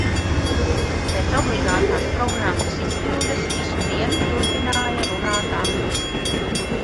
Pēc obligātās programmas izpildes, visu dienu turpināja runāt angliski.